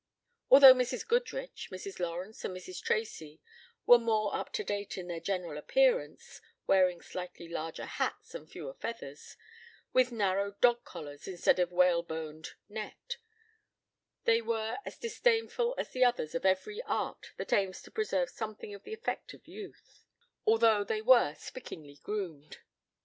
Although Mrs. Goodrich, Mrs. Lawrence and Mrs. Tracy were more up to date in their general appearance, wearing slightly larger hats and fewer feathers, with narrow dog collars instead of whaleboned net, they were as disdainful as the others of every art that aims to preserve something of the effect of youth; although they were spickingly groomed.